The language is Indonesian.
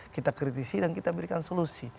kita kritisi dan kita berikan solusi